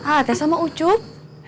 a saya mau ucup